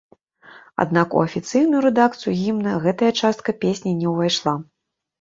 Аднак у афіцыйную рэдакцыю гімна гэтая частка песні не ўвайшла.